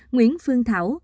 nguyễn phương thảo